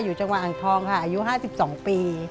อยู่จังหวัดอ่างทองค่ะอายุ๕๒ปี